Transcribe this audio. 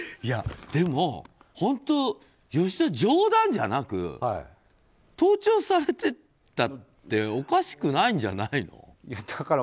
でも、本当に吉田冗談じゃなく盗聴されていたっておかしくないんじゃないの。